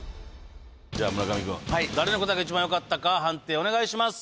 じゃあ村上くん誰の答えがいちばんよかったか判定をお願いします。